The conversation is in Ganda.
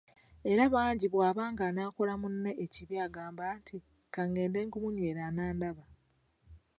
Era bangi bwaba ng'anaakola munne ekibi agamba nti, “Ka ngende ngumunywere, anandaba".